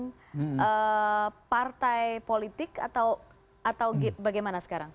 dengan partai politik atau bagaimana sekarang